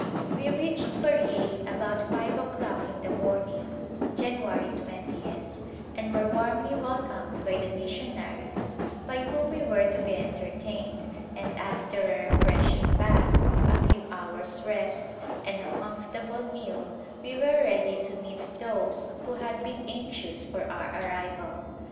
We reached Bareilly about five o'clock in the morning, Januarys 20th, and were warmly welcomed bv the missionaries by whom we were to be enter tained and after a refreshing bath, a few hours rest and a comfortable meal we were readv to meet those who had been anxious for our arrival.